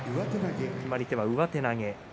決まり手は上手投げ。